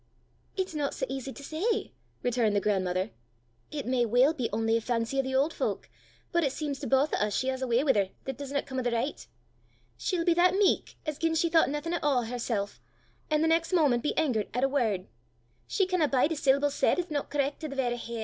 "It's no sae easy to say!" returned the grandmother. "It may weel be only a fancy o' the auld fowk, but it seems to baith o' 's she has a w'y wi' her 'at disna come o' the richt. She'll be that meek as gien she thoucht naething at a' o' hersel', an' the next moment be angert at a word. She canna bide a syllable said 'at 's no correc' to the verra hair.